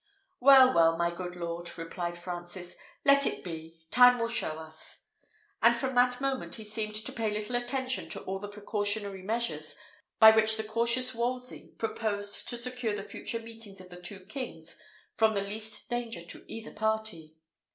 "Well, well, my good lord," replied Francis, "let it be; time will show us." And from that moment he seemed to pay little attention to all the precautionary measures by which the cautious Wolsey proposed to secure the future meetings of the two kings from the least danger to either party.